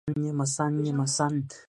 东汉八顾之一。